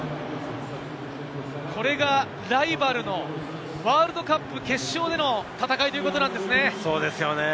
これがライバルの、ワールドカップ決勝での戦いということなんですね。